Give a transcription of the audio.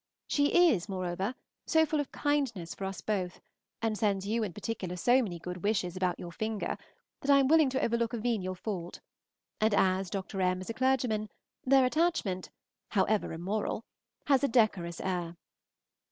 She is, moreover, so full of kindness for us both, and sends you in particular so many good wishes about your finger, that I am willing to overlook a venial fault, and as Dr. M. is a clergyman, their attachment, however immoral, has a decorous air.